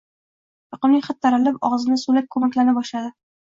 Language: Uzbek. Yoqimli hid taralib, og‘zimda so‘lak ko‘lmaklana boshladi